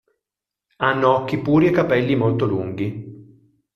Hanno occhi puri e capelli molto lunghi.